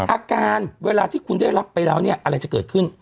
อาการเวลาที่คุณได้รับไปแล้วเนี่ยอะไรจะเกิดขึ้น